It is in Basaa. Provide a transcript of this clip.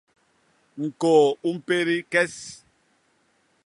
ñkôô u mpédi kes!